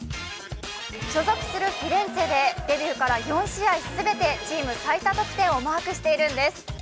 所属チームのフィレンツェでデビューから４試合全てチーム最多得点をマークしているんです。